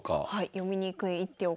読みにくい一手を。